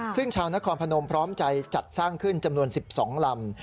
ซึ่งชาวนครพนมพร้อมใจจัดสร้างขึ้นจำนวน๑๒ลำ